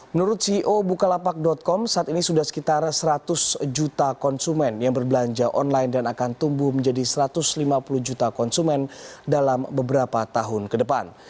menurut ceo bukalapak com saat ini sudah sekitar seratus juta konsumen yang berbelanja online dan akan tumbuh menjadi satu ratus lima puluh juta konsumen dalam beberapa tahun ke depan